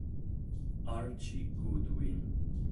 Archie Goodwin